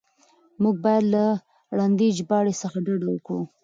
موږ بايد له ړندې ژباړې څخه ډډه وکړو.